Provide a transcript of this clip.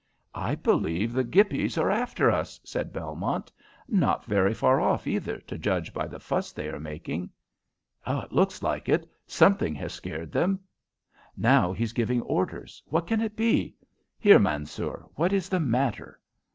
"I believe the Gippies are after us," said Belmont. "Not very far off either, to judge by the fuss they are making." "It looks like it. Something has scared them." "Now he's giving orders. What can it be? Here, Mansoor, what is the matter?"